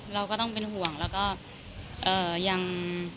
เราก็ต้องเป็นห่วงแล้วก็ยัง